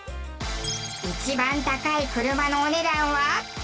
一番高い車のお値段は。